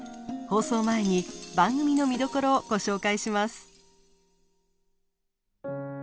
放送前に番組の見どころをご紹介します。